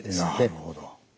なるほど。